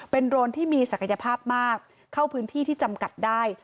เป็นโรนที่มีศักยภาพมากเข้าพื้นที่ที่จำกัดได้